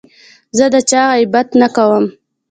زه د چا غیبت نه کوم.